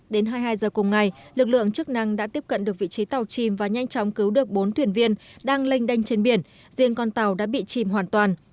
đến hai mươi hai h cùng ngày lực lượng chức năng đã tiếp cận được vị trí tàu chìm và nhanh chóng cứu được bốn thuyền viên đang lênh đanh trên biển riêng con tàu đã bị chìm hoàn toàn